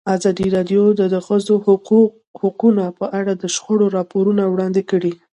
ازادي راډیو د د ښځو حقونه په اړه د شخړو راپورونه وړاندې کړي.